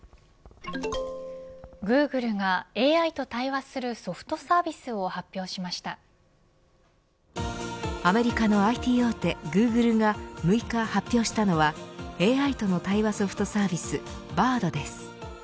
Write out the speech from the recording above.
グーグルがＡＩと対話するアメリカのＩＴ大手グーグルが６日発表したのはＡＩとの対話ソフトサービスＢａｒｄです。